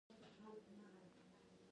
افغانستان د مورغاب سیند له مخې پېژندل کېږي.